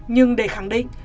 nhưng để khẳng định